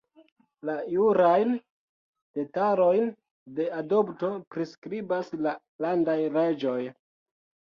La jurajn detalojn de adopto priskribas la landaj leĝoj.